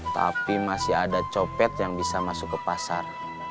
tapi masih ada copet yang bisa masuk ke pasar